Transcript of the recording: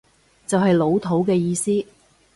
就係老土嘅意思